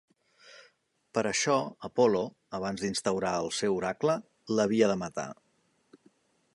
Per això, Apol·lo, abans d'instaurar el seu oracle, l'havia de matar.